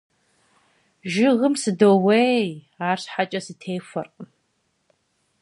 Жыгым сыдоуей, арщхьэкӀэ сытехуэркъым.